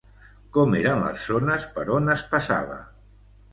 Com eren les zones per on es passava?